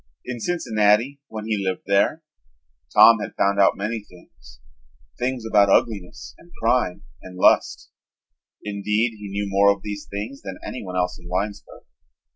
In Cincinnati, when he lived there, Tom had found out many things, things about ugliness and crime and lust. Indeed, he knew more of these things than anyone else in Winesburg.